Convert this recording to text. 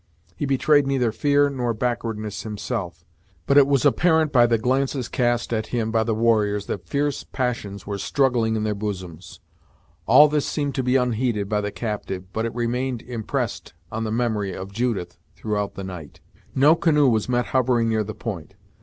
He betrayed neither fear nor backwardness himself; but it was apparent by the glances cast at him by the warriors, that fierce passions were struggling in their bosoms. All this seemed to be unheeded by the captive, but it remained impressed on the memory of Judith throughout the night. No canoe was met hovering near the point.